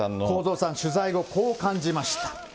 公造さん、取材後、こう感じました。